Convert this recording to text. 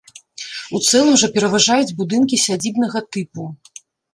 У цэлым жа пераважаюць будынкі сядзібнага тыпу.